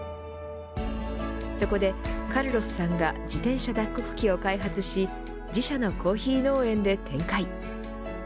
そこでカルロスさんが自転車脱穀機を開発し自社のコーヒー農園で展開。